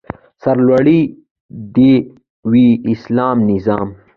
سرلوړی دې وي اسلامي نظام؟